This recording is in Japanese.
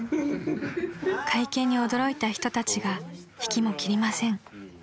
［会見に驚いた人たちが引きも切りません］